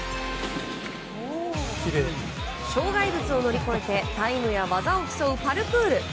障害物を乗り越えてタイムや技を競うパルクール。